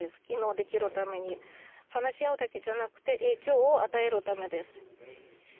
機能できるために話し合うだけじゃなくて影響を与えるためです。